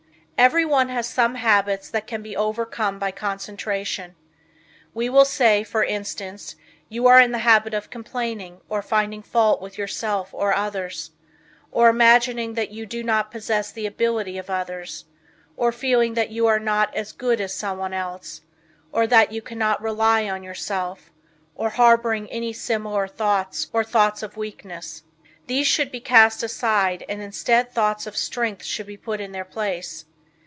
Everyone has some habits that can be overcome by concentration. We will say for instance, you are in the habit of complaining, or finding fault with yourself or others; or, imagining that you do not possess the ability of others; or feeling that you are not as good as someone else; or that you cannot rely on yourself; or harboring any similar thoughts or thoughts of weakness. These should be cast aside and instead thoughts of strength should be put in their place.